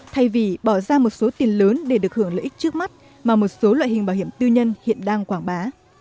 thay vì bỏ ra một số tiền lớn để được hưởng lợi ích trước mắt mà một số loại hình bảo hiểm tư nhân hiện đang quảng bá